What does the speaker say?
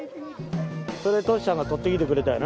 それとしちゃんがとってきてくれたんよな。